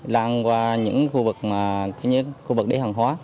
lăn qua những khu vực đi hàng hóa